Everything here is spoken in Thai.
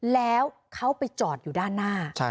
แล้วเขาไปจอดอยู่ด้านหน้า